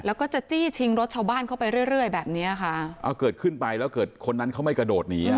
แล้วก็จะจี้ชิงรถชาวบ้านเข้าไปเรื่อยเรื่อยแบบเนี้ยค่ะเอาเกิดขึ้นไปแล้วเกิดคนนั้นเขาไม่กระโดดหนีอ่ะ